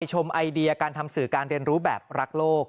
ชมไอเดียการทำสื่อการเรียนรู้แบบรักโลก